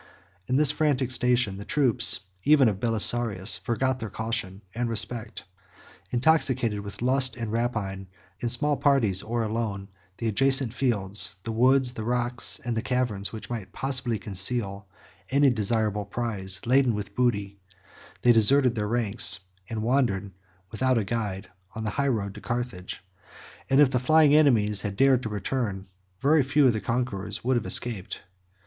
In this frantic search, the troops, even of Belisarius, forgot their caution and respect. Intoxicated with lust and rapine, they explored, in small parties, or alone, the adjacent fields, the woods, the rocks, and the caverns, that might possibly conceal any desirable prize: laden with booty, they deserted their ranks, and wandered without a guide, on the high road to Carthage; and if the flying enemies had dared to return, very few of the conquerors would have escaped.